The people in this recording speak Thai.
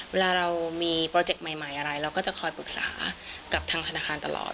เวลาเรามีโปรเจกต์ใหม่อะไรเราก็จะคอยปรึกษากับทางธนาคารตลอด